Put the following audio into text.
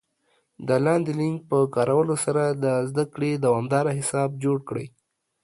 د لاندې لینک په کارولو سره د زده کړې دوامدار حساب جوړ کړئ